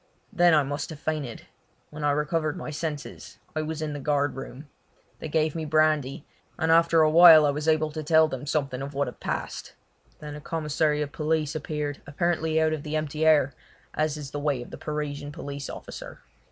Then I must have fainted. When I recovered my senses I was in the guard room. They gave me brandy, and after a while I was able to tell them something of what had passed. Then a commissary of police appeared, apparently out of the empty air, as is the way of the Parisian police officer.